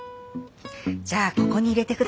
じゃあここに入れて下さい。